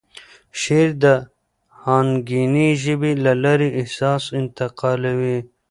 شعر د آهنګینې ژبې له لارې احساس انتقالوي.